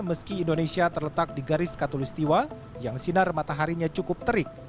meski indonesia terletak di garis katolistiwa yang sinar mataharinya cukup terik